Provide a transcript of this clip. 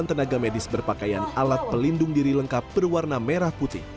enam tenaga medis berpakaian alat pelindung diri lengkap berwarna merah putih